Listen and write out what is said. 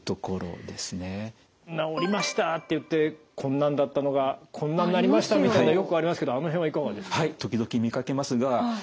「治りました」って言って「こんなんだったのがこんなんなりました」みたいのよくありますけどあの辺はいかがですか？